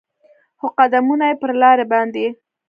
خو قدمونو یې پر لارې باندې